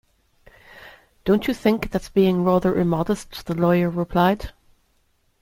"Don't you think that's being rather immodest?" the lawyer replied.